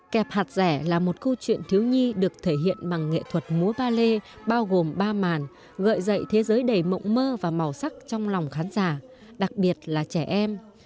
kẹp hạt rẻ là một câu chuyện thiếu nhi được thể hiện bằng nghệ thuật múa ba lê bao gồm ba màn gợi dậy thế giới đầy mộng mơ và màu sắc trong lòng khán giả đặc biệt là trẻ em